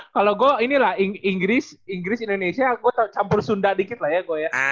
kalau gue inggris inggris indonesia gue campur sunda dikit lah ya